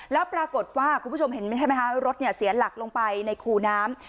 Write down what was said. แล้วปรากฏว่าคุณผู้ชมเห็นใช่ไหมคะรถเสียหลักลงไปในคูน้ำ